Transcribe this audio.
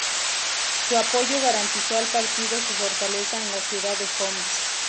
Su apoyo garantizó al partido su fortaleza en la ciudad de Homs.